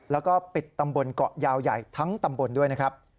แล้วก็ปิดตำบลเกาะยาวใหญ่ทั้งตำบลด้วยนะครับ